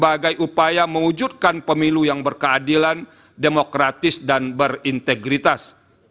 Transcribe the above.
sebagai upaya mewujudkan pemilu yang berkeadilan demokratis dan berintegritas